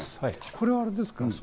これはあれですか？